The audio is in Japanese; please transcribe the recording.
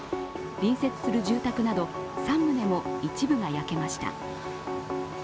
隣接する住宅など３棟も一部が焼けました。